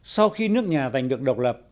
sau khi nước nhà giành được độc lập